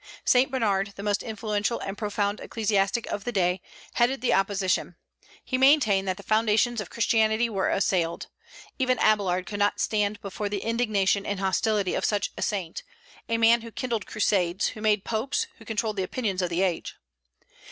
Saint Bernard, the most influential and profound ecclesiastic of the day, headed the opposition. He maintained that the foundations of Christianity were assailed. Even Abélard could not stand before the indignation and hostility of such a saint, a man who kindled crusades, who made popes, who controlled the opinions of the age.